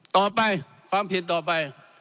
ต่อไปความผิดต่อไป